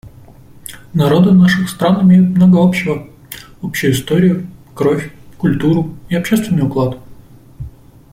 Народы наших стран имеют много общего: общую историю, кровь, культуру и общественный уклад.